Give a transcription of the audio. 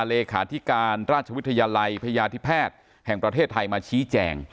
เลขาธิการราชวิทยาลัยพยาธิแพทย์แห่งประเทศไทยมาชี้แจง